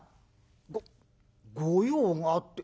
「ご御用があって？